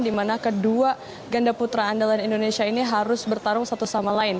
di mana kedua ganda putra andalan indonesia ini harus bertarung satu sama lain